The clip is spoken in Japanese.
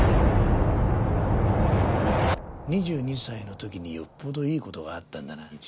「２２歳の時によっぽどいい事があったんだな」